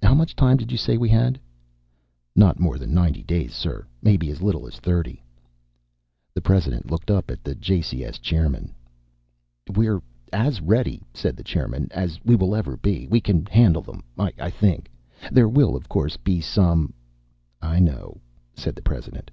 How much time did you say we had?" "Not more than ninety days, sir. Maybe as little as thirty." The President looked up at the JCS chairman. "We're as ready," said the chairman, "as we will ever be. We can handle them I think. There will, of course, be some " "I know," said the President.